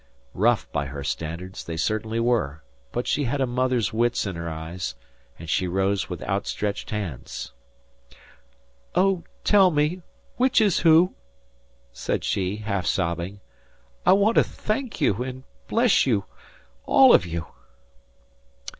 Rough, by her standards, they certainly were; but she had a mother's wits in her eyes, and she rose with out stretched hands. "Oh, tell me, which is who?" said she, half sobbing. "I want to thank you and bless you all of you."